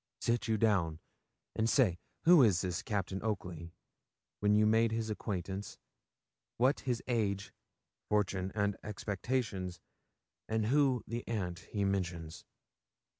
Sit you down, and say who is this Captain Oakley, when you made his acquaintance, what his age, fortune, and expectations, and who the aunt he mentions.'